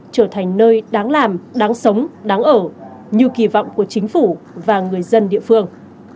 trở thành nơi đáng làm đáng sống đáng ở như kỳ vọng của chính phủ và người dân địa phương